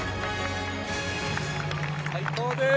最高です！